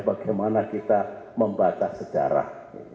bagaimana kita membatas sejarah